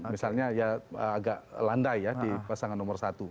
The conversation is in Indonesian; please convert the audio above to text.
misalnya ya agak landai ya di pasangan nomor satu